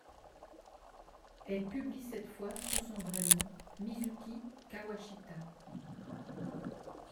Elle publie cette fois sous son vrai nom, Mizuki Kawashita.